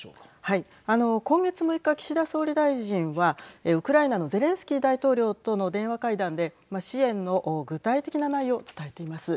今月６日岸田総理大臣はウクライナのゼレンスキー大統領との電話会談で支援の具体的な内容はい。